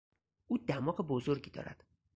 او دماغ بزرگی دارد.